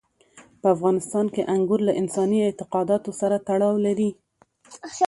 په افغانستان کې انګور له انساني اعتقاداتو سره تړاو لري.